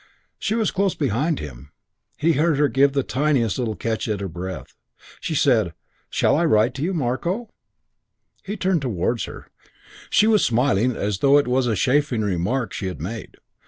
She was close behind him. He heard her give the tiniest little catch at her breath. She said, "Shall I write to you, Marko?" He turned towards her. She was smiling as though it was a chaffing remark she had made.